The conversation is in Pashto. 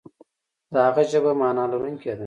د هغه ژبه معنا لرونکې ده.